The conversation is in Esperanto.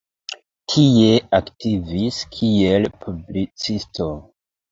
Tie aktivis kiel publicisto.